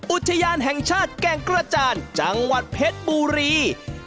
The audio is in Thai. อุทยานแห่งชาติแก่งกระจานจังหวัดเพชรบุรี